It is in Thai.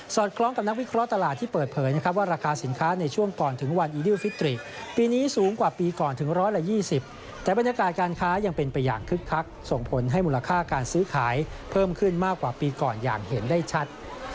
คล้องกับนักวิเคราะห์ตลาดที่เปิดเผยนะครับว่าราคาสินค้าในช่วงก่อนถึงวันอีดิวฟิตริกปีนี้สูงกว่าปีก่อนถึง๑๒๐แต่บรรยากาศการค้ายังเป็นไปอย่างคึกคักส่งผลให้มูลค่าการซื้อขายเพิ่มขึ้นมากกว่าปีก่อนอย่างเห็นได้ชัด